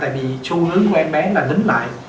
vì xu hướng của em bé là đính lại